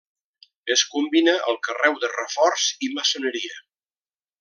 Es combina el carreu de reforç i maçoneria.